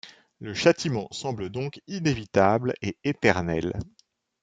Le châtiment semble donc inévitable et éternel.